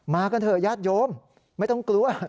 กันเถอะญาติโยมไม่ต้องกลัว